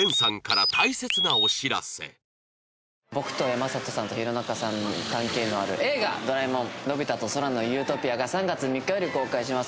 僕と山里さんと弘中さんに関係のある『映画ドラえもんのび太と空の理想郷』が３月３日より公開します。